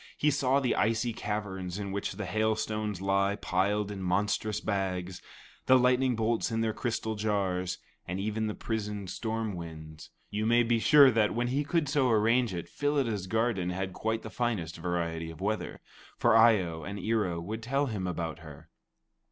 He saw the icy caverns in which the hail stones lie piled in monstrous bags, the lightning bolts in their crystal jars, and even the prisoned storm winds. You may be sure that, when he could so arrange it, Phyllida's garden had quite the finest variety of weather. For Eye o and Ear o would tell him about her.